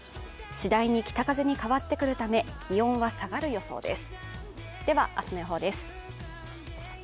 次第に北風に変わってくるため気温は下がる予想です。